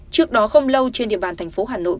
trước đó không lâu trên địa bàn thành phố hà nội